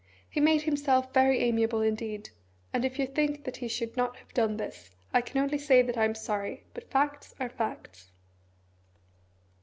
He made himself very amiable indeed, and if you think that he should not have done this, I can only say that I am sorry, but facts are facts.